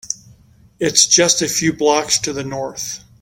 It’s just a few blocks to the North.